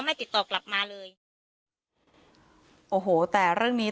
ต้องรอผลพิสูจน์จากแพทย์ก่อนนะคะ